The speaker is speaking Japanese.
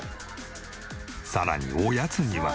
さらにおやつには。